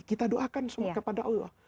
kita doakan semua kepada allah